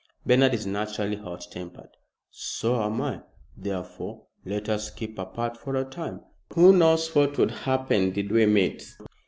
"Bernard is naturally hot tempered." "So am I. Therefore, let us keep apart for a time. Who knows what would happen did we meet.